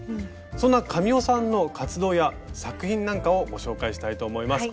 そんな神尾さんの活動や作品なんかをご紹介したいと思います。